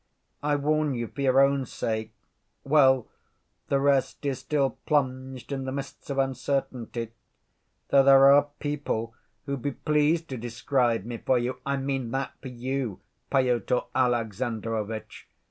I warn you for your own sake. Well, the rest is still plunged in the mists of uncertainty, though there are people who'd be pleased to describe me for you. I mean that for you, Pyotr Alexandrovitch.